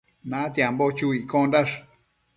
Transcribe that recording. Natiambo chu iccondash